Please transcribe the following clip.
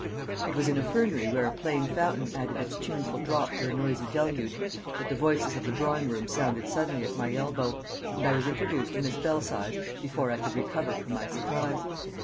It was in a fernery where a playing fountain added its tuneful drop to the noisy deluge that the voices of the drawing room sounded suddenly at my elbow, and I was introduced to Miss Belsize before I could recover from my surprise.